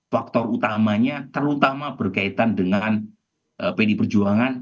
faktor utamanya terutama berkaitan dengan pd perjuangan